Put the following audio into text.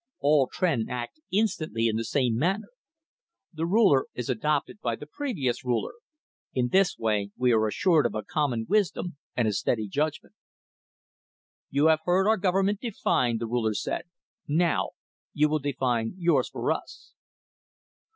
All Tr'en act instantly in the same manner. The Ruler is adopted by the previous Ruler; in this way we are assured of a common wisdom and a steady judgment." "You have heard our government defined," the Ruler said. "Now, you will define yours for us."